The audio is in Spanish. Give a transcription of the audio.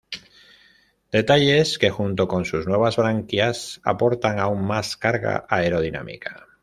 Detalles que junto con sus nuevas branquias, aportan aún más carga aerodinámica.